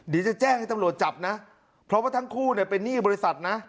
ดีจะแจ้งให้ตำโลจับนะเพราะว่าทั้งคู่เป็นหนี้บริษัทนะ